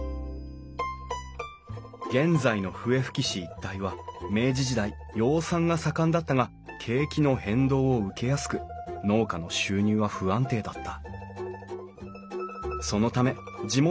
現在の笛吹市一帯は明治時代養蚕が盛んだったが景気の変動を受けやすく農家の収入は不安定だった。